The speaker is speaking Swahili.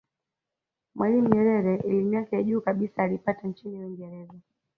mwalimu nyerere elimu yake ya juu kabisa aliipata nchini uingereza